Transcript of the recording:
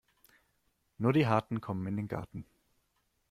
Nur die Harten kommen in den Garten.